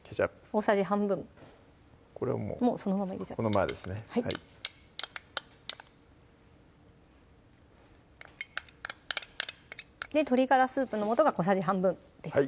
大さじ半分これもうそのまま入れちゃってはい鶏ガラスープの素が小さじ半分です